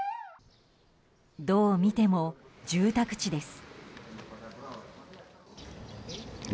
どう見ても住宅地です。